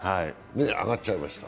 上がっちゃいました。